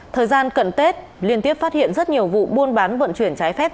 thời gian cận tết liên tiếp phát hiện rất nhiều vụ buôn bán vận chuyển trái phép